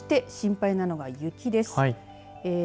心配なのが雪です。